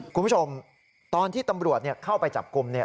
คุณผู้ชมตอนที่ตำรวจเข้าไปจับกลุ่มเนี่ย